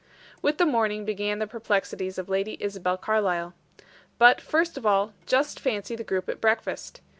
With the morning began the perplexities of Lady Isabel Carlyle. But, first of all, just fancy the group at breakfast.